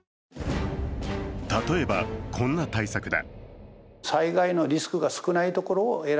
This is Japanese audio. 例えば、こんな対策だ。